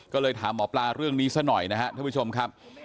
ก็เลยถามหมอปลาเรื่องนี้ซะหน่อยนะครับท่านผู้ชมครับ